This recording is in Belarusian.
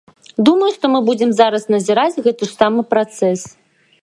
Думаю, што мы будзем зараз назіраць гэты ж самы працэс.